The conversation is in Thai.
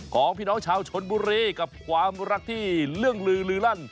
ของพี่น้องชาวชนบุรีกับความรักที่เรื่องลือลือลั่น